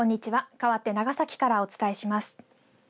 かわって長崎からお伝えします。